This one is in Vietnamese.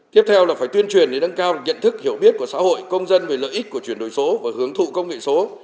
tiếp theo là phải tuyên truyền để nâng cao nhận thức hiểu biết của xã hội công dân về lợi ích của chuyển đổi số và hướng thụ công nghệ số